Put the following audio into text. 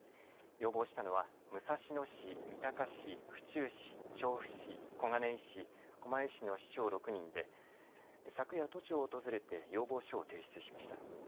要望したのは、武蔵野市、三鷹市、府中市、調布市、小金井市、狛江市の市長６人で昨夜、都庁を訪れて要望書を提出しました。